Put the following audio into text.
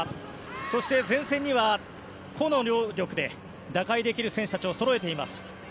そして前線には、個の能力で打開できる選手たちをそろえています。